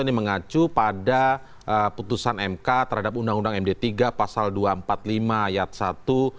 ini mengacu pada putusan mk terhadap undang undang md tiga pasal dua ratus empat puluh lima ayat satu